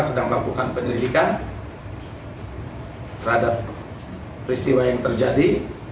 sedang melakukan penyelidikan terhadap peristiwa yang terjadi